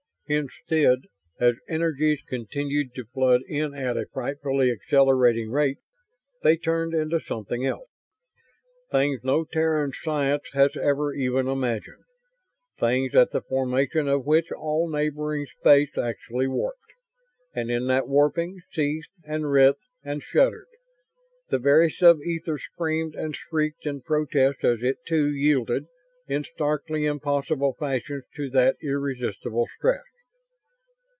Instead, as energies continued to flood in at a frightfully accelerating rate, they turned into something else. Things no Terran science has ever even imagined; things at the formation of which all neighboring space actually warped, and in that warping seethed and writhed and shuddered. The very sub ether screamed and shrieked in protest as it, too, yielded in starkly impossible fashions to that irresistible stress.